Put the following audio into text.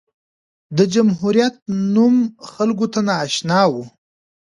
د جمهوریت نوم خلکو ته نااشنا و.